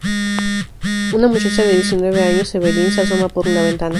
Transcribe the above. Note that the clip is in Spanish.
Una muchacha de diecinueve años, Eveline, se asoma por una ventana.